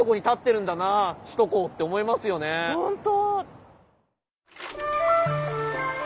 ほんと。